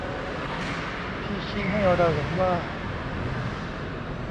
ที่ชี้ให้เราเห็นว่า